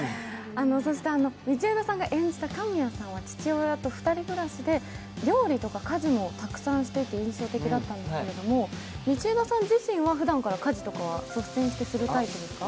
そして道枝さんが演じた神谷さんは父親と２人暮らしで料理とか家事もたくさんしてて印象的だったんですけど、道枝さん自身は、ふだんから家事は率先してするタイプですか？